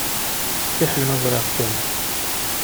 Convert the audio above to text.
Fiḥel ma ẓriɣ-kem.